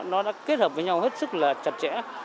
nó đã kết hợp với nhau hết sức là chặt chẽ